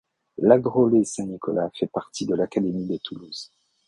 Lagraulet-Saint-Nicolas fait partie de l'académie de Toulouse.